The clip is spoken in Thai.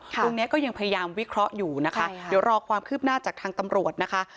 ก็ยังพยายามวิเคราะห์อยู่นะคะเดี๋ยวรอความคืบหน้าจากทางตำรวจนะคะ